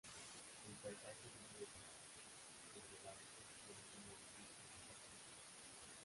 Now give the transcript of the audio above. El paisaje es muy esquemático, pues Velázquez no definió edificios ni personajes.